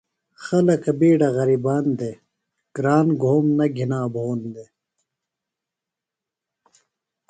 خلکہ بِیڈہ غرِیبان دےۡ۔ گران گھوم نہ گِھنا بھون دےۡ۔